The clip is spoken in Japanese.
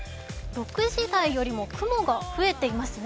６時台よりも雲が増えていますね。